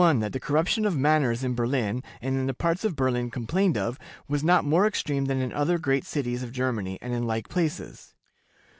That the corruption of manners in Berlin, and in the parts of Berlin complained of, was not more extreme than in other great cities of Germany, and in like places.